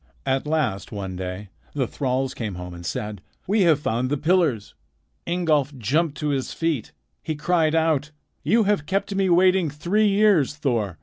At last one day the thralls came home and said: "We have found the pillars." Ingolf jumped to his feet. He cried out: "You have kept me waiting three years, Thor.